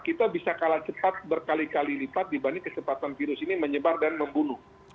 kita bisa kalah cepat berkali kali lipat dibanding kesempatan virus ini menyebar dan membunuh